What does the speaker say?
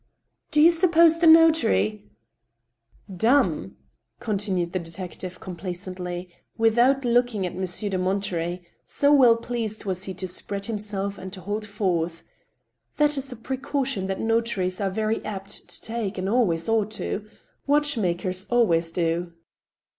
65 " Do you suppose the notary —?'* *'Dafne/" continued the detective complaisantly, without look ingr at Monsieur de Monterey, so well pleased was he to spread himself and to hold forth, " that is a precaution that notaries are very apt to take and always ought to. Watch«makers always' do."